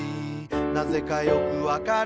なぜかよくわかる」